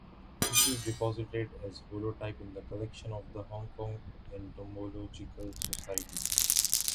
This is deposited as holotype in the collection of the Hong Kong Entomological Society.